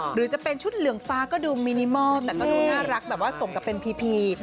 หรือจะเป็นชุดเหลืองฟ้าก็ดูมินิมอลแต่ก็ดูน่ารักแบบว่าสมกับเป็นพีพี